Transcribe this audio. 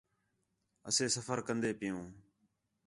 اَسے سفر کندے پِیؤں